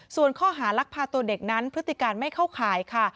ส่วนข้อหารักพาตัวเด็กนั้นพฤติการไม่เข้าข่ายค่ะ